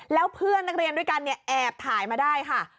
แล้วเพื่อนนักเรียนด้วยกันเนี่ยแอบถ่ายมาได้ค่ะ